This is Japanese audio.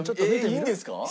えっいいんですか？